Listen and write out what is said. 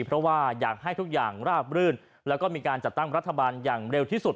เพราะว่าอยากให้ทุกอย่างราบรื่นแล้วก็มีการจัดตั้งรัฐบาลอย่างเร็วที่สุด